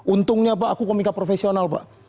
untungnya pak aku komika profesional pak